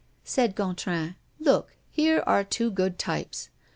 Said Gontran: "Look, here are two good types.